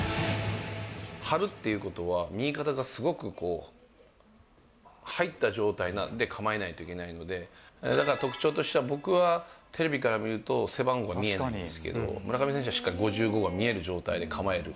張るということは、右肩がすごく入った状態で構えないといけないので、だから特徴としては、僕は、テレビから見ると背番号が見えないんですけど、村上選手はしっかり５５が見える状態で構える。